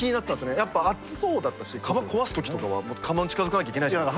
やっぱ熱そうだったし釜壊す時とかは釜に近づかなきゃいけないじゃないですか。